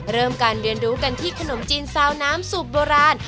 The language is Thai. เริ่มการเรียนรู้กันที่ขนมจีนซาวน้ำสูตรโบราณ